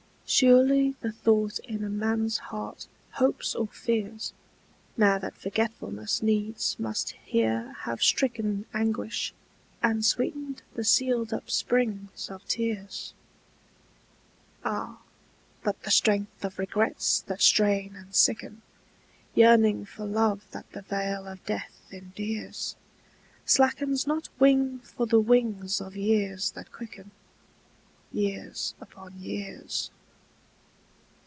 Surely the thought in a man's heart hopes or fears Now that forgetfulness needs must here have stricken Anguish, and sweetened the sealed up springs of tears. Ah, but the strength of regrets that strain and sicken, Yearning for love that the veil of death endears, Slackens not wing for the wings of years that quicken— Years upon years.